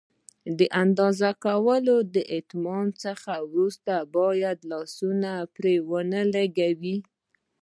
د اندازه کولو له اتمام څخه وروسته باید لاس پرې ونه لګوئ.